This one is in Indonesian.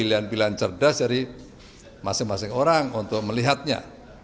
dan pilihan cerdas dari masing masing orang untuk melihatnya